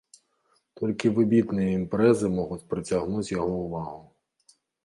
Толькі выбітныя імпрэзы могуць прыцягнуць яго ўвагу.